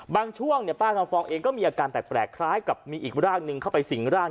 ช่วงป้าคำฟองเองก็มีอาการแปลกคล้ายกับมีอีกร่างหนึ่งเข้าไปสิ่งร่าง